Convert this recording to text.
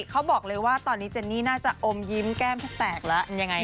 เขาบอกเลยว่าตอนนี้เจนี่น่าจะอมยิ้มแก้มแสดงแล้ว